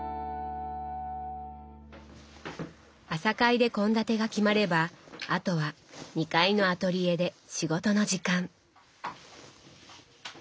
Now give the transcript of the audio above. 朝会で献立が決まればあとは２階のアトリエで仕事の時間。